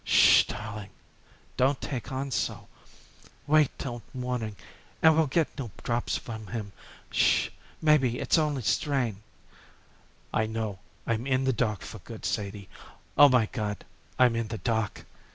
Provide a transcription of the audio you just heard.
'"Shh h h, darling! Don't take on so! Wait till morning and we'll get new drops from him. 'Shh h h! Maybe it's only strain." "I know. I'm in the dark for good, Sadie. Oh, my God! I'm in the dark!"